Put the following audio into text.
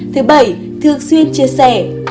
thứ bảy thường xuyên chia sẻ